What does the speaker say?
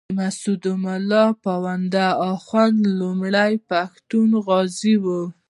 د مسودو ملا پوونده اخُند لومړی پښتون غازي وو.